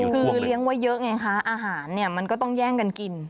คือเลี้ยงไว้เยอะไงคะอาหารเนี่ยมันก็ต้องแย่งกันกิน